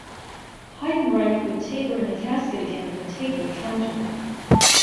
Heidenreich put 'Taker in the casket again but 'Taker countered.